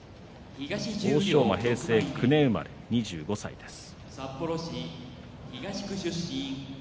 欧勝馬は平成９年生まれ２５歳です。